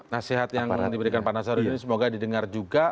nasihat yang diberikan pak nasarud ini semoga didengar juga